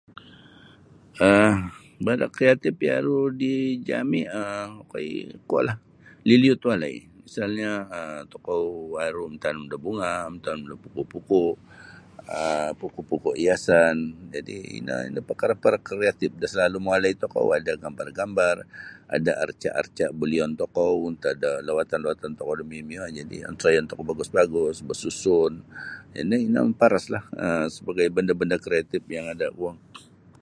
um Benda kreatif iyo aru dijami um okoi kuolah liliut walai misalnyo um tokou aru mantanum da bunga mantanum da pokok-pokok um pokok-pokok hiasan jadi ino perkara-perkara kreatif. Da salalum walai ada gambar-gambar ada arca-arca bolion tokou antad da lawatan-lawatan tokou antad da mio-mio onsoiyun tokou bagus-bagus basusun ino maparaslah sebagai benda-benda kreatif yang ada kuo.